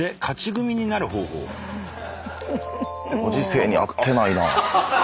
ご時世に合ってないなぁ。